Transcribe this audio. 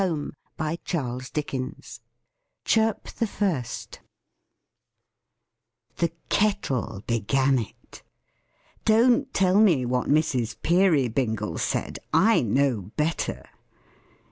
LEECH. [Illustration: CHIRP THE FIRST] THE KETTLE began it! Don't tell me what Mrs. Peerybingle said. I know better.